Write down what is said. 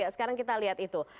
sekarang kita lihat itu